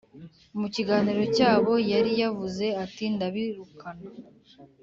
mu kiganiro cyabo yari yavuze ati:ndabirukana